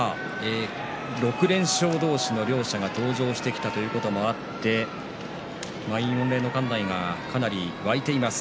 ６連勝同士の両者が登場してきたということもあって満員御礼の館内がかなり沸いています。